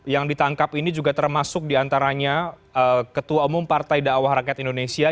yang ditangkap ini juga termasuk diantaranya ketua umum partai dakwah rakyat indonesia